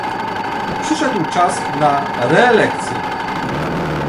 Przyszedł czas na reelekcję